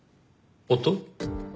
音？